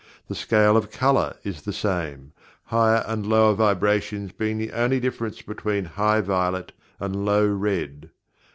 The scale of color is the same higher and lower vibrations being the only difference between high violet and low red.